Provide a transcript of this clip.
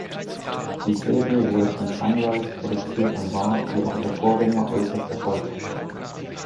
Die Serie wurde von Sunrise produziert und war, wie auch ihr Vorgänger, äußerst erfolgreich.